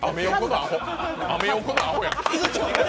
アメ横のアホや。